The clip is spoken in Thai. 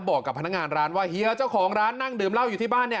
บอกกับพนักงานร้านว่าเฮียเจ้าของร้านนั่งดื่มเหล้าอยู่ที่บ้านเนี่ย